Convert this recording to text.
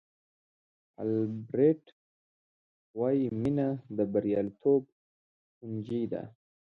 البرټ وایي مینه د بریالیتوب کونجي ده.